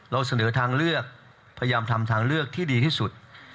เราเสนอทางเลือกพยายามทำทางเลือกที่ดีที่สุด